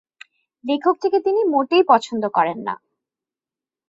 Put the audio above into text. লেখকটিকে তিনি মোটেই পছন্দ করেন না।